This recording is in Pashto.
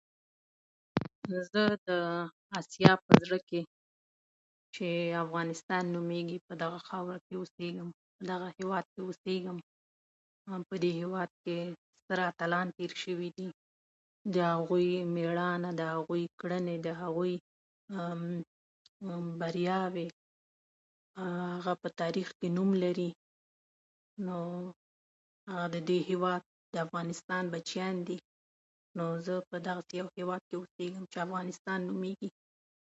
زه د اسیا په زړه کې چې افغانستان نومېږي، په دغه خاوره کې اوسېږم، دغه هېواد کې اوسېږم. دغه هېواد کې ستر اتلان تېر شوي دي. د هغوی مېړانه، د هغوی کړنې، د هغوی بریاوې، هغه په تاریخ کې نوم لري. نو د دې هېواد د افغانستان بچیان دي. نو زه په دغسې یو هېواد کې اوسېږم چې افغانستان نومېږي.